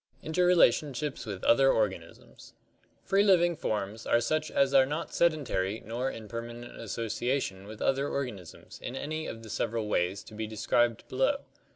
Interrelationships with Other Organisms Free living forms are such as are not sedentary nor in perma nent association with other organisms in any of the several ways to be described below.